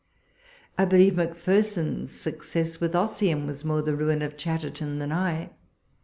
I believe M'Pher son's success with " Ossian " was more the ruin of Chatterton than I.